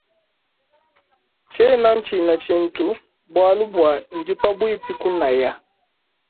Tshena tshina tshintu bualu bua ndi pabuipi kunaya.